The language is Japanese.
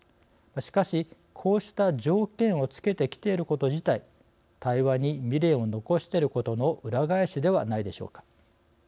しかしこうした条件をつけてきていること自体対話に未練を残してることの裏返しではないでしょうか。